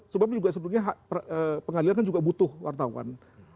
sebab juga sebetulnya pengadilan kan juga butuh wartawan